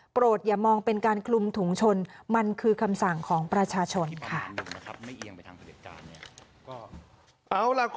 อย่ามองเป็นการคลุมถุงชนมันคือคำสั่งของประชาชนค่ะ